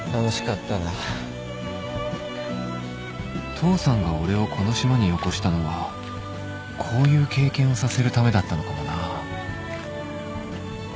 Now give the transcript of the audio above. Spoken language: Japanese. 父さんが俺をこの島によこしたのはこういう経験をさせるためだったのかもな